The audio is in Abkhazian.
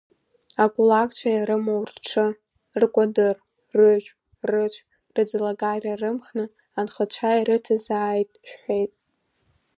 Акулакцәа ирымоу рҽы, ркәадыр, рыжә, рыцә, рыӡлагара рымхны, анхацәа ирыҭазааит шәҳәеит.